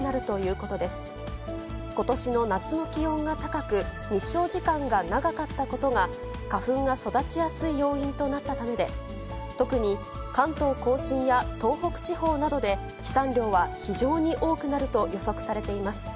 ことしの夏の気温が高く、日照時間が長かったことが、花粉が育ちやすい要因となったためで、特に関東甲信や東北地方などで、飛散量は非常に多くなると予測されています。